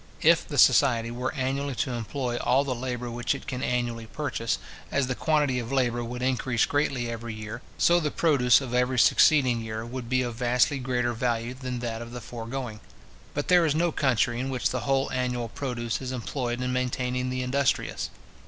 If the society were annually to employ all the labour which it can annually purchase, as the quantity of labour would increase greatly every year, so the produce of every succeeding year would be of vastly greater value than that of the foregoing. But there is no country in which the whole annual produce is employed in maintaining the industrious.